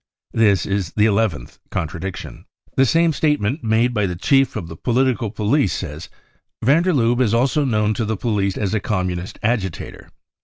* This is the eleventh contradiction. The same statement made by the chief of the political police says :Van der Lubbe is also known to the police as a Com munist agitator.